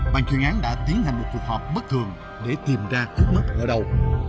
bạn chuyên án đã tiến hành một cuộc họp bất thường để tìm ra ước mất ở đâu